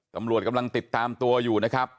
ตำรวจกำลังติดตามตัวอยู่นะครับ